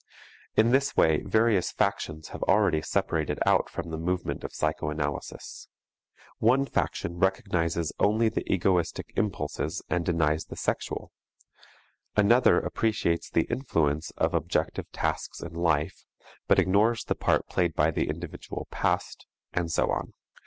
In this way various factions have already separated out from the movement of psychoanalysis; one faction recognizes only the egoistic impulses and denies the sexual, another appreciates the influence of objective tasks in life, but ignores the part played by the individual past, and so on.